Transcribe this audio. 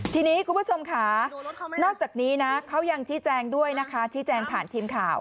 ทีนี้คุณผู้ชมค่ะนอกจากนี้นะเขายังชี้แจงด้วยนะคะชี้แจงผ่านทีมข่าว